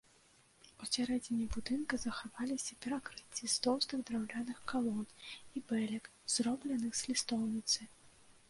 Усярэдзіне будынка захаваліся перакрыцці з тоўстых драўляных калон і бэлек, зробленых з лістоўніцы.